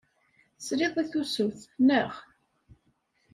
Tesliḍ i tusut, naɣ?